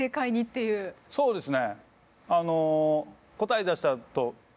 そうですね。